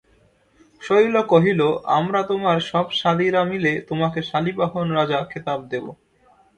শৈল কহিল, আমরা তোমার সব শালীরা মিলে তোমাকে শালীবাহন রাজা খেতাব দেব।